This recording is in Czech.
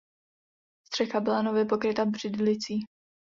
Střecha byla nově pokryta břidlicí.